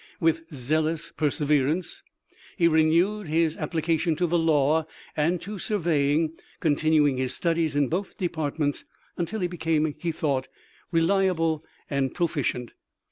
With zealous perseverance, he renewed his applica tion to the law and to surveying, continuing his studies in both departments until he became, as he thought, reliable and proficient.